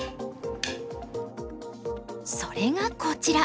それがこちら。